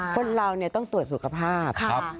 คนเราต้องตรวจสุขภาพ